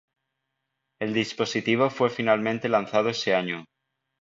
El dispositivo fue finalmente lanzado ese año.